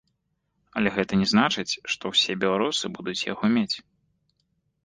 Але гэта не значыць, што ўсе беларусы будуць яго мець.